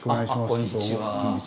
あっこんにちは。